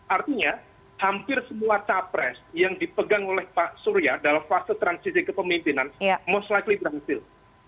artinya hampir semua capres yang dipegang oleh pak surya dalam fase transisi kepemimpinan most likely berhasil